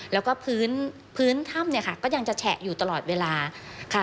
แล้วก็พื้นพื้นถ้ำเนี่ยค่ะก็ยังจะแฉะอยู่ตลอดเวลาค่ะ